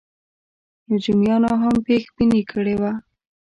نجومیانو هم پېش بیني کړې وه.